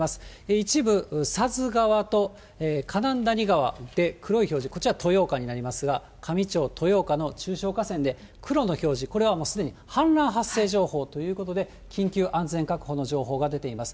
一部さづ川とかなんだに川で黒い表示、これはとよおかになりますが、香美町、豊岡の中小河川で黒の表示、これはもう、すでに氾濫発生情報ということで、緊急安全確保の情報が出ています。